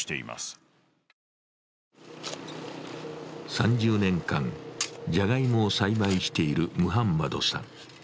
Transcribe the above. ３０年間、じゃがいもを栽培しているムハンマドさん。